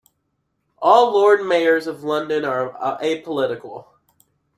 All Lord Mayors of London are apolitical.